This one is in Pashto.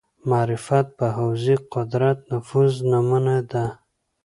معرفت پر حوزې قدرت نفوذ نمونه ده